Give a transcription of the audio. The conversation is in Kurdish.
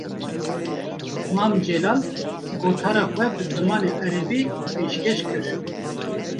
Mam Celal, gotara xwe bi zimanê Erebî pêşkêş kir